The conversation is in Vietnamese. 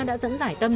đã dẫn giải tâm